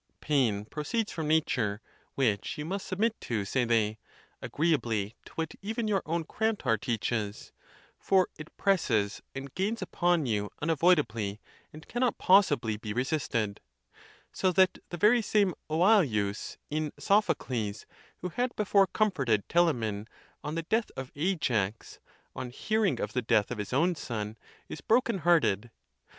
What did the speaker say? Pain proceeds from nature, which you must submit to, say they, agreeably to what even your own Crantor teaches, for it presses and gains upon you unavoidably, and cannot possibly be re sisted. So that the very same Oileus, in Sophocles, who had before comforted Telamon on the death of Ajax, on 6 122 THE TUSCULAN DISPUTATIONS. hearing of the death of his own son, is broken hearted.